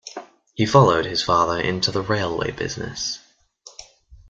He followed his father into the railway business.